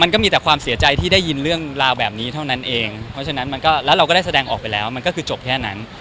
ก็มีแต่ความเสียใจที่ได้ยินเรื่องราวแบบนี้เท่านั้นเองเพราะฉะนั้นมันก็แล้วเราก็ได้แสดงออกไปแล้วมันก็คือจบแค่นั้น